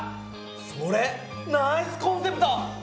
それナイスコンセプト！